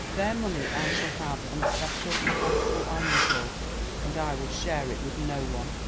Their money I shall have an especial and fanciful value for, and I will share it with no one."